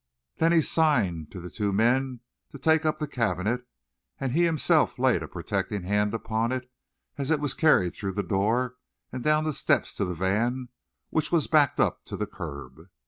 Then he signed to the two men to take up the cabinet, and himself laid a protecting hand upon it as it was carried through the door and down the steps to the van which was backed up to the curb.